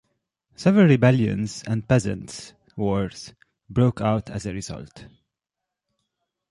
Several rebellions and peasants' wars broke out as a result.